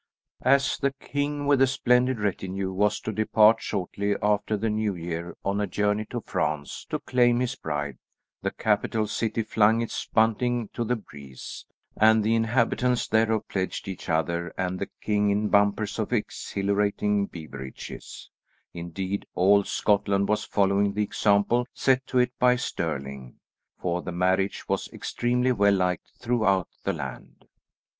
As the king, with a splendid retinue, was to depart shortly after the new year on a journey to France to claim his bride, the capital city flung its bunting to the breeze, and the inhabitants thereof pledged each other and the king in bumpers of exhilarating beverages; indeed all Scotland was following the example set to it by Stirling, for the marriage was extremely well liked throughout the land.